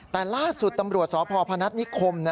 แต่ล่าสุดตำรวจสพพนัฐนิคม